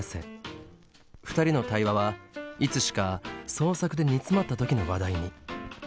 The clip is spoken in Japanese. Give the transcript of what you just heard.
２人の対話はいつしか創作で煮詰まった時の話題に。